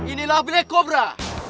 inilah black cobra